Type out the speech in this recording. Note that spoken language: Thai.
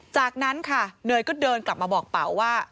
จากนั้นค่ะเนยก็เดินกลับมาบอกเป๋าว่า